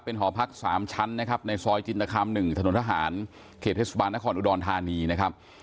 หอพัก๓ชั้นนะครับในซอยจินตคาม๑ถนนทหารเขตเทศบาลนครอุดรธานีนะครับ